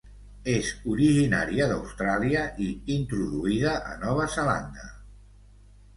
És originària d'Austràlia, i introduïda a Nova Zelanda.